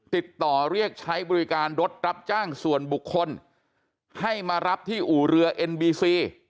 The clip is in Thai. ติดต่อเรียกใช้บริการรถรับจ้างส่วนบุคคลให้มารับที่อู่เรือเอ็นบีซี